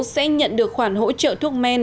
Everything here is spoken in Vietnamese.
sẽ nhận được khoản hỗ trợ thuốc men